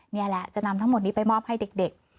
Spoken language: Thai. นี่แหละจะนำทั้งหมดนี้ไปมอบให้เด็ก